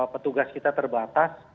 petugas kita terbatas